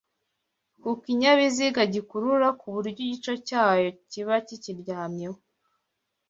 ku kinyabiziga gikurura ku buryo igice cyayo kiba kikiryamyeho